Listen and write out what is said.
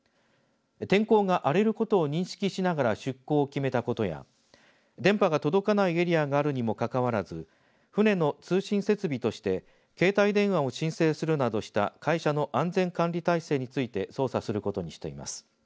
天候が荒れることを認識しながら出航を決めたことや電波が届かないエリアがあるにもかかわらず船の通信設備として携帯電話を申請するなどした会社の安全管理体制について捜査することにしています。